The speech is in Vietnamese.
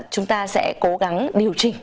chúng ta sẽ cố gắng điều chỉnh